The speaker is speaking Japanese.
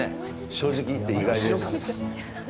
正直言って意外です。